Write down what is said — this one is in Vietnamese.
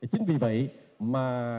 chính vì vậy mà